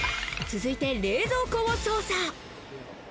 続いて冷蔵庫を捜査。